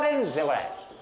これ。